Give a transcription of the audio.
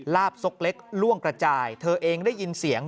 ลาบซกเล็กล่วงกระจายเธอเองได้ยินเสียง